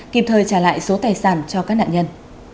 kịp thời trả lại số tài sản cho các nạn nhân